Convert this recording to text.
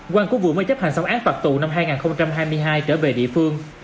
quang của vũ mới chấp hành xong án phạt tù năm hai nghìn hai mươi hai trở về địa phương